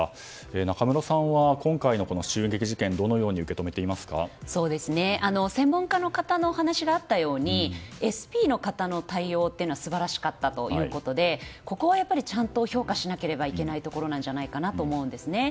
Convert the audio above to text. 中室さんは、今回の襲撃事件を専門家の方のお話があったようにＳＰの方の対応っていうのは素晴らしかったということでここはちゃんと評価しなければいけないところではと思うんですね。